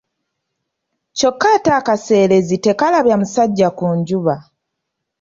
Kyokka ate akaseerezi tekalabya musajja ku njuba.